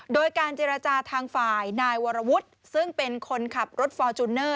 โดยการเจรจาทางฝ่ายนายวรวุฒิซึ่งเป็นคนขับรถฟอร์จูเนอร์